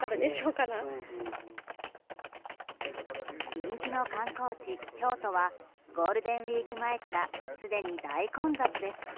人気の観光地・京都はゴールデンウィーク前からすでに大混雑です。